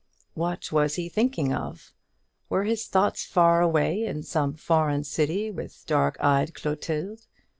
What was he thinking of? Were his thoughts far away in some foreign city with dark eyed Clotilde?